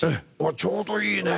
ちょうどいいね！